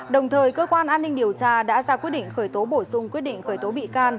đồng thời cơ quan an ninh điều tra đã ra quyết định khởi tố bổ sung quyết định khởi tố bị can